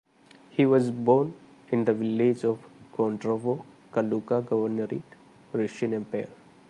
He was born in the village of Kondrovo, Kaluga Governorate, Russian Empire.